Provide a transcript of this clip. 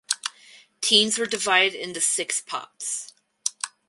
Teams were divided into six pots.